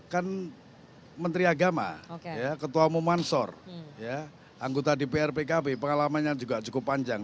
kan menteri agama ketua umum mansor anggota dpr pkb pengalamannya juga cukup panjang